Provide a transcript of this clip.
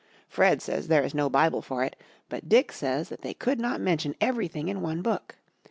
Fred says there is no Bible for it, but Dick says that they could not mention everything in one book.